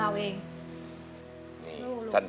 แผ่นไหนครับ